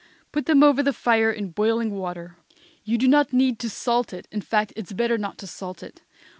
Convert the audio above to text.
Put them over the fire in boiling water. You do not need to salt it, in fact, it is better not to salt it.